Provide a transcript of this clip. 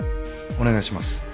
お願いします。